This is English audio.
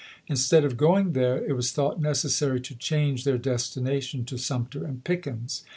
Instead of going there, it was thought necessary to change their destination to Sumter and Pickens.